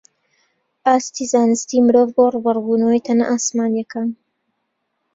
ئاستی زانستی مرۆڤ بۆ ڕووبەڕووبوونەوەی تەنە ئاسمانییەکان